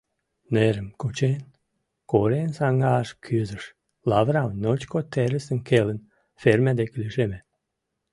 Нерым кучен, корем саҥгаш кӱзыш, лавырам, ночко терысым келын, ферме деке лишеме.